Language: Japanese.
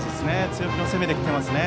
強気に攻めてきていますね。